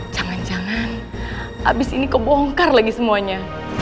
jangan jangan habis ini kebongkar lagi semuanya